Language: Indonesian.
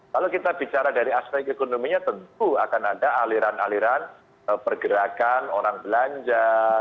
kalau kita bicara dari aspek ekonominya tentu akan ada aliran aliran pergerakan orang belanja